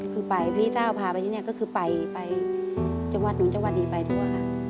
คือไปพี่เจ้าพาไปที่นี่ก็คือไปจังหวัดนู้นจังหวัดนี้ไปทั่วค่ะ